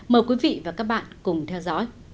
mời quý vị và các bạn cùng theo dõi